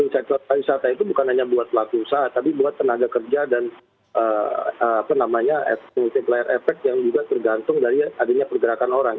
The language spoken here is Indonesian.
sektor pariwisata itu bukan hanya buat pelaku usaha tapi buat tenaga kerja dan multiplier effect yang juga tergantung dari adanya pergerakan orang